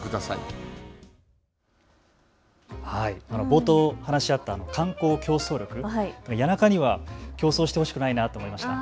冒頭、お話があった観光競争力、谷中には競争してほしくないなと思いました。